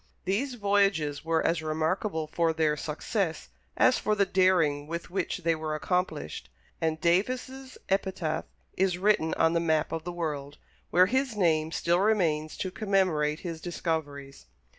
These voyages were as remarkable for their success as for the daring with which they were accomplished, and Davis' epitaph is written on the map of the world, where his name still remains to commemorate his discoveries.